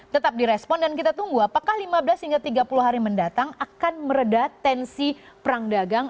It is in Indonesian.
tetap direspon dan kita tunggu apakah lima belas hingga tiga puluh hari mendatang akan meredah tensi perang dagang